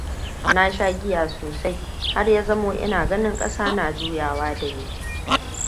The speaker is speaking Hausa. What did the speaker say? Na sha giya sosai, har ya zamo ina ganin ƙasa na juyawa da ni.